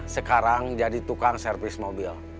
sekarang jadi tukang servis mobil